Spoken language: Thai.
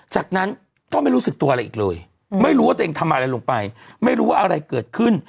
จากนั้นก็ไม่รู้สึกตัวอะไรอีกเลยไม่รู้ว่าตัวเองทำอะไรลงไปไม่รู้ว่าอะไรเกิดขึ้น